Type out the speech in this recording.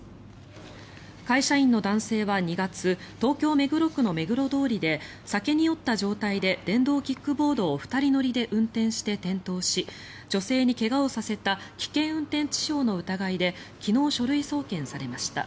会社員の男性は２月東京・目黒区の目黒通りで酒に酔った状態で電動キックボードを２人乗りで運転して転倒し女性に怪我をさせた危険運転致傷の疑いで昨日、書類送検されました。